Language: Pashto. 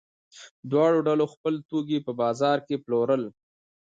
دواړو ډلو خپل توکي په بازار کې پلورل.